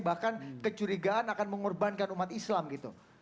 bahkan kecurigaan akan mengorbankan umat islam gitu